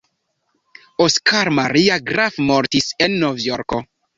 Oskar Maria Graf mortis en Novjorko.